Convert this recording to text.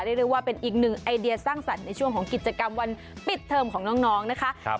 เรียกว่าเป็นอีกหนึ่งไอเดียสร้างสรรค์ในช่วงของกิจกรรมวันปิดเทอมของน้องนะคะ